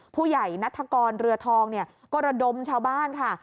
ผู้ใหญ่นัฐกรเรือทองกรดมชาวบ้านค่ะ